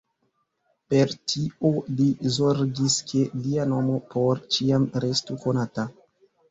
Per tio li zorgis ke lia nomo por ĉiam restu konata.